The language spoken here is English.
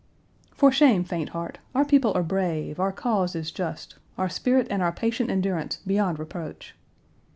"For shame, faint heart! Our people are brave, our cause is just; our spirit and our patient endurance beyond reproach."